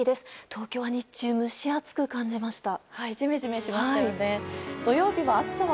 東京は日中蒸し暑く感じました。